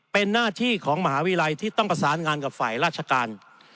เป็นหน้าที่ของมหาวิทยาลัยที่ต้องประสานงานกับฝ่ายราชการ